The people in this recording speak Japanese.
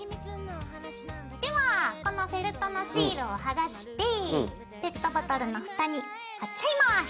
ではこのフェルトのシールを剥がしてペットボトルのふたに貼っちゃいます！